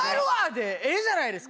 でええじゃないですか。